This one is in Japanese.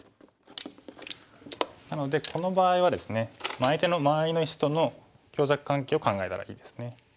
なのでこの場合はですね相手の周りの石との強弱関係を考えたらいいですね。